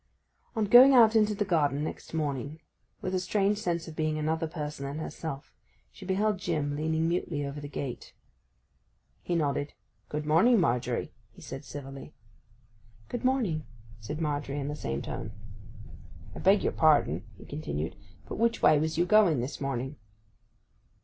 On going out into the garden next morning, with a strange sense of being another person than herself, she beheld Jim leaning mutely over the gate. He nodded. 'Good morning, Margery,' he said civilly. 'Good morning,' said Margery in the same tone. 'I beg your pardon,' he continued. 'But which way was you going this morning?